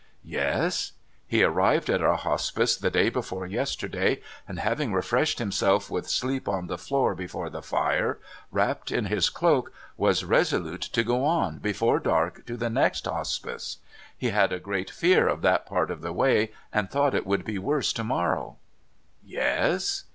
' Yes ?'* He arrived at our Hospice the day before yesterday, and, having refreshed himself with sleep on the floor before the fire, wrapped in his cloak, w^as resolute to go on, before dark, to the next Hospice. He had a great fear of that part of the way, and thought it would be worse to morrow.' 'Yes?'